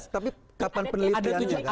tapi kapan penelitiannya kan